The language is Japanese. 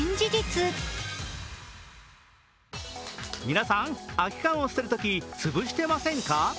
皆さん、空き缶を捨てるとき潰してませんか？